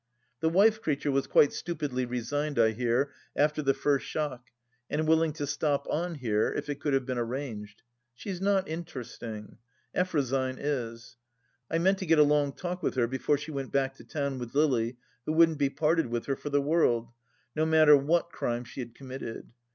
The wife creature was quite stupidly resigned I hear, after the first shock, and willing to stop on here if it could have been arranged. ... She is not interesting. Effrosyne is. I meant to get a long talk with her before she went back to town with Lily, who wouldn't be parted from her for the world, no matter what crime she had committed.